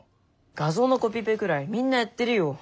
画像のコピペぐらいみんなやってるよ。